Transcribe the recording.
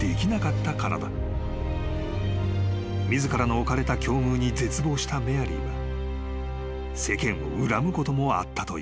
［自らの置かれた境遇に絶望したメアリーは世間を恨むこともあったという］